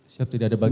siap tidak ada bagian